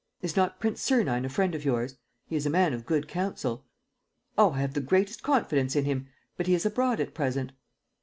Is not Prince Sernine a friend of yours? He is a man of good counsel." "Oh, I have the greatest confidence in him; but he is abroad at present."